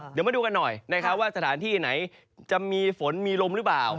เดี๋ยวมาดูกันหน่อยนะครับว่าสถานที่ไหนจะมีฝนมีลมหรือเปล่า